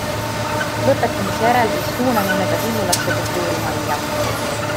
Lõpetamise järel viis suunamine ta Vihulasse kultuurimajja.